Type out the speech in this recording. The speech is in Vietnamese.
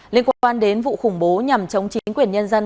liên quan đến vụ khủng bố nhằm chống chính quyền nhân dân